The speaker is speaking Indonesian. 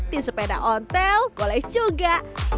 di sepeda ontel boleh juga